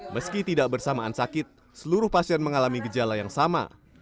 meski tidak bersamaan sakit seluruh pasien mengalami gejala yang sama